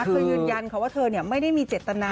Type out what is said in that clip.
เธอยืนยันว่าเธอเนี่ยไม่ได้มีเจตนา